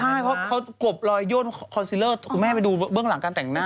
ใช่เพราะเขากบรอยย่นคอนซีเลอร์คุณแม่ไปดูเบื้องหลังการแต่งหน้า